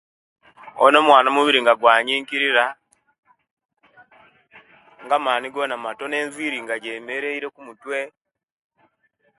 Obona omwana omubiri nga gwanyinkirira nga amaani gonna matoono enviiri nga jemeleile okumutwe